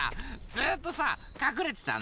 ずっとさかくれてたの。